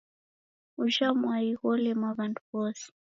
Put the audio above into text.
Ujha mwai wolema w'andu w'ose.